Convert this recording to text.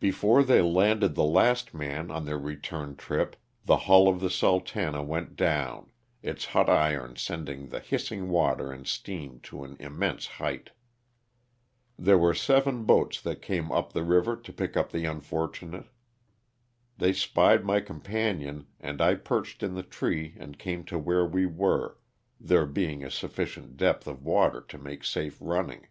Before they landed the last man on their return trip the hull of the Sultana" went down, its hot irons sending the hissing water and steam to an immense height. There were seven boats that came up the river to pick up the unfortunate. They spied my companion and I perched in the tree and came to where we were, there being a sufficient depth of water to make safe running.